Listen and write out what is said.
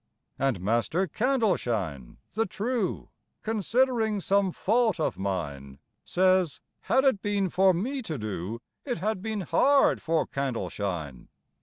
And Master Candleshine the True, Considering some fault of mine, Says—"Had it been for me to do, It had been hard for Candleshine."